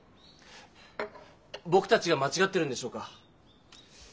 ぼくたちが間ちがってるんでしょうか？